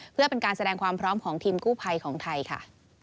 เพื่อเป็นการแสดงความพร้อมของทีมกู้ภัยของไทยค่ะ